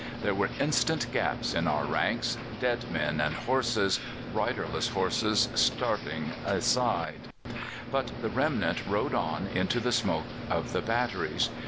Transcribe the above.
There were instant gaps in our ranks dead men and horses, riderless horses starting aside but the remnant rode on into the smoke of the batteries.